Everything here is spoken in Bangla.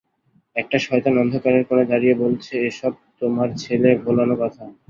একটা শয়তান অন্ধকারের কোণে দাঁড়িয়ে বলছে, এ-সব তোমার ছেলে-ভোলানো কথা!